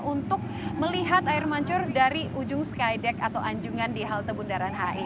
untuk melihat air mancur dari ujung skydeck atau anjungan di halte bundaran hi